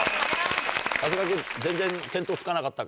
長谷川君全然見当つかなかったか。